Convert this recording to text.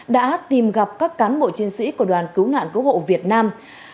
đã tìm gặp các cán bộ chiến sĩ của đoàn cứu nạn cứu hộ việt nam